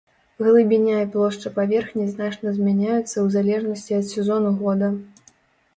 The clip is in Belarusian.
Глыбіня і плошча паверхні значна змяняюцца ў залежнасці ад сезону года.